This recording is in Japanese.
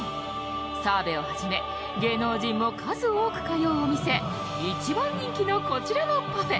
澤部をはじめ芸能人も数多く通うお店一番人気のこちらのパフェ。